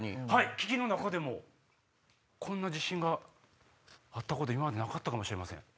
ききの中でもこんな自信があったこと今までなかったかもしれません。